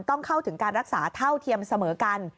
ต้องเข้าถึงการรักษาเท่าเทียมเสมอกัน